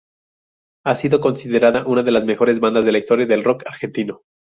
Ha sido considerada una de las mejores bandas de la historia del rock argentino.